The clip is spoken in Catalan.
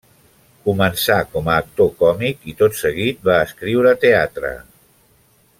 Començà com a actor còmic i tot seguit va escriure teatre.